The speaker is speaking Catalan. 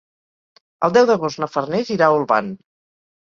El deu d'agost na Farners irà a Olvan.